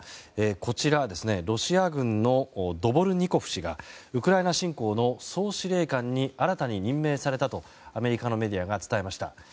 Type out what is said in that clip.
こちらはロシア軍のドボルニコフ氏がウクライナ侵攻の総司令官に新たに任命されたとアメリカのメディアが伝えました。